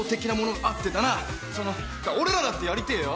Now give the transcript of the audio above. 俺らだってやりてえよ。